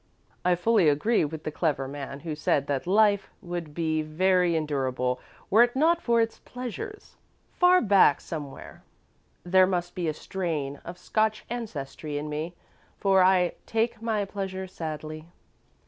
"I fully agree with the clever man who said that 'life would be very endurable were it not for its pleasures.' Far back, somewhere, there must be a strain of Scotch ancestry in me, for I 'take my pleasure sadly.'"